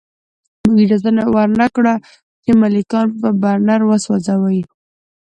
موږ اجازه ورنه کړه چې ملکیان په برنر وسوځوي